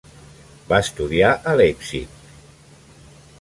Va estudiar a Leipzig.